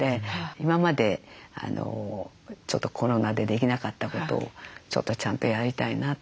今までちょっとコロナでできなかったことをちょっとちゃんとやりたいなと。